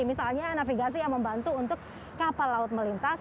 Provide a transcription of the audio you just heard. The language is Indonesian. misalnya navigasi yang membantu untuk kapal laut melintas